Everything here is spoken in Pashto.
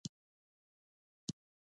د انسان د بدني فعالیتونو لپاره وینه مهمه ده